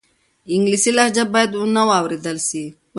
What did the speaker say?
انګلیسي لهجه باید نه واورېدل سي.